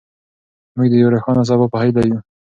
موږ د یو روښانه سبا په هیله یو.